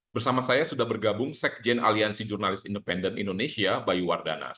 bersama saya sudah bergabung sekjen aliansi jurnalis independen indonesia bayu wardanas